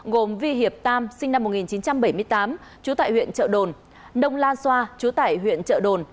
gồm vi hiệp tam sinh năm một nghìn chín trăm bảy mươi tám chú tại huyện trợ đồn đông lan xoa chú tại huyện trợ đồn